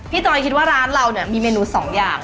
จอยคิดว่าร้านเราเนี่ยมีเมนูสองอย่าง